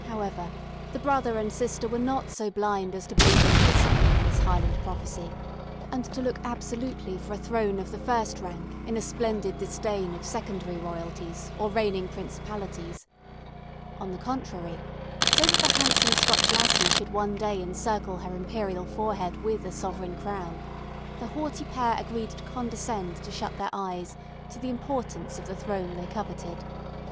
However, the brother and sister were not so blind as to believe implicitly in this Highland prophecy, and to look absolutely for a throne of the first rank in a splendid disdain of secondary royalties or reigning principalities; on the contrary, so that the handsome Scotch lassie should one day encircle her imperial forehead with a sovereign crown, the haughty pair agreed to condescend to shut their eyes to the importance of the throne they coveted.